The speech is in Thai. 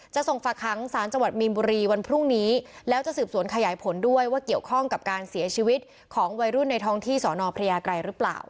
ส่งฝากค้างสารจังหวัดมีนบุรีวันพรุ่งนี้แล้วจะสืบสวนขยายผลด้วยว่าเกี่ยวข้องกับการเสียชีวิตของวัยรุ่นในท้องที่สอนอพระยาไกรหรือเปล่า